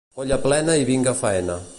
Olla plena i vinga faena.